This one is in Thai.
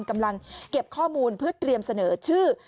กำลังเก็บข้อมูลเพื่อเตรียมเสนอชื่อ